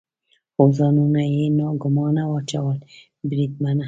خو ځانونه یې ناګومانه واچول، بریدمنه.